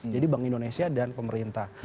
jadi bank indonesia dan pemerintah